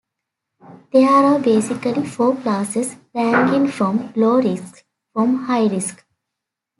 There are basically four classes, ranging from low risk to high risk.